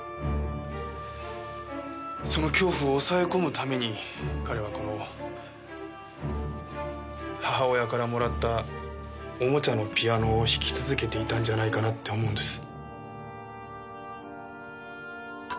その恐怖を抑え込むために彼はこの母親からもらったおもちゃのピアノを弾き続けていたんじゃないかなって思うんです。